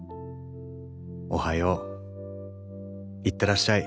「おはよう」「行ってらっしゃい」